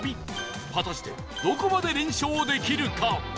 果たしてどこまで連勝できるか？